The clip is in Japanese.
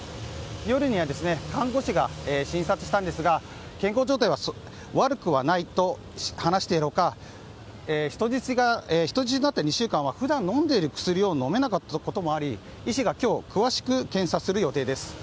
夜には看護師が診察したんですが健康状態は悪くはないと話している他人質になっていた２週間は普段飲んでいる薬を飲めなかったこともあり、医師が今日詳しく検査する予定です。